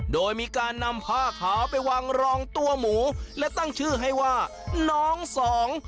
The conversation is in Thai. โดยมีการนำผ้าขาวไปวางรองตัวหมูและตั้งชื่อให้ว่าน้องสอง